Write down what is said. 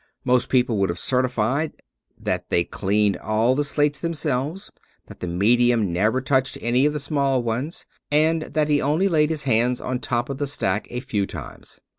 Most people would have certified that they cleaned all of the slates themselves, that the medium never touched any of the small ones, and that he only laid his hands on top of the stack a few times.